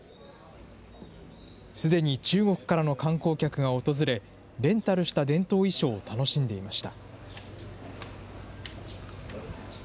すでに中国からの観光客が訪れ、レンタルした伝統衣装を楽しんでいました。